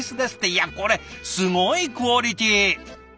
いやこれすごいクオリティー！